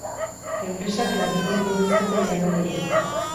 Enpresak langileen murrizketa iragarri du.